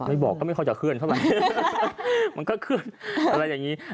บอกก็ไม่ค่อยจะเคลื่อนเท่าไหร่มันก็เคลื่อนอะไรอย่างนี้